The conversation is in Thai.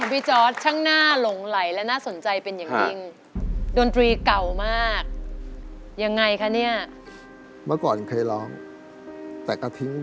ฟังกันโชว์เลยไหมคะครับผมครับ